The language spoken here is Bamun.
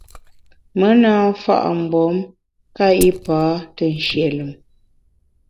Me na mfa’ mgbom nka yipa te nshie lùm.